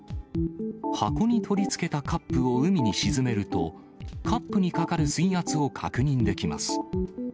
箱に取り付けたカップを海に沈めると、カップにかかる水圧を確認できます。